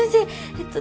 えっと